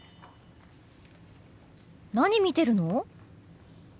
何見てるの？